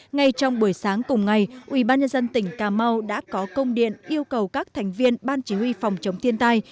ngay trong buổi sáng cùng ngày ubnd tỉnh cà mau đã có công điện yêu cầu các thành viên ban chỉ huy phòng chống thiên tai